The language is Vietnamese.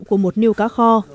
của một niêu cá kho